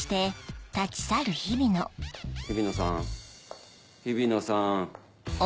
日比野さん日比野さん。